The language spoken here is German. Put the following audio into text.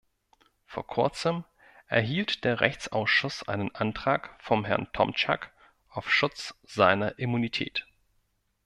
Vor kurzem erhielt der Rechtsausschuss einen Antrag von Herrn Tomczak auf Schutz seiner Immunität.